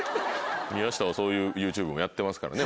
宮下はそういうＹｏｕＴｕｂｅもやってますからね